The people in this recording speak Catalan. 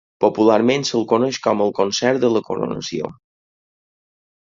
Popularment se'l coneix com el Concert de la Coronació.